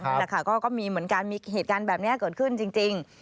ก็ไปถามหนูเนาะเขาก็เล่าให้ฟังแล้วก็มีเหตุการณ์แบบนี้เกิดขึ้นจริง